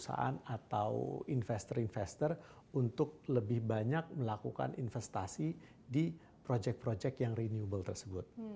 jadi kami juga mencari perusahaan perusahaan atau investor investor untuk lebih banyak melakukan investasi di projek projek yang renewable tersebut